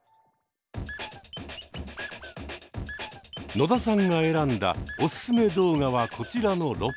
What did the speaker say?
野田さんが選んだおすすめ動画はこちらの６本。